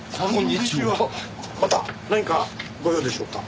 また何かご用でしょうか？